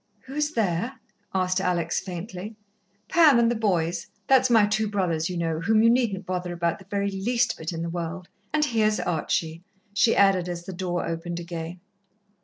"Who is there?" asked Alex faintly. "Pam and the boys that's my two brothers, you know, whom you needn't bother about the very least bit in the world, and here's Archie," she added, as the door opened again.